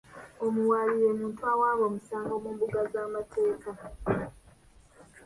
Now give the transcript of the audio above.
Omuwaabi ye muntu awaaba omusango mu mbuga z'amateeka.